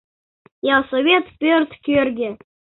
Ялсовет пӧрт кӧргӧ.